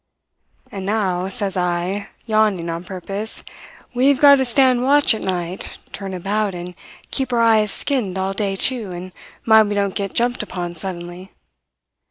"'And now,' says I, yawning on purpose, 'we've got to stand watch at night, turn about, and keep our eyes skinned all day, too, and mind we don't get jumped upon suddenly.'